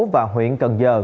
và huyện cần giờ